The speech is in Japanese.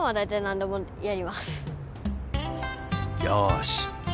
よし！